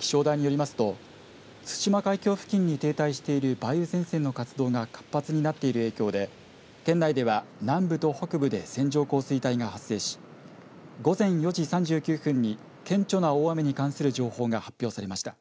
気象台によりますと対馬海峡付近に停滞している梅雨前線の活動が活発になっている影響で県内では南部と北部で線状降水帯が発生し午前４時３９分に顕著な大雨に関する情報が発表されました。